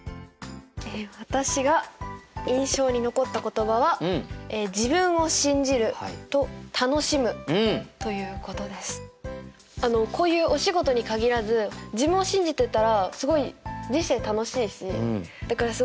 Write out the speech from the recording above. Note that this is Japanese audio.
私が印象に残った言葉はこういうお仕事に限らず自分を信じてたらすごい人生楽しいしだからすごい印象に残りましたね。